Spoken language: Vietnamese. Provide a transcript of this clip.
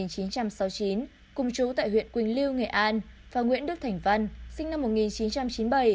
cùng chú tại huyện quỳnh lưu nghệ an và nguyễn đức thành văn sinh năm một nghìn chín trăm chín mươi bảy